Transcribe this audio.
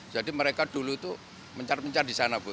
jadi mereka dulu tuh mencar mencar di sana bu